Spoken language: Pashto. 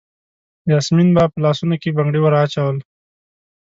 یاسمین به په لاسونو کې بنګړي وراچول.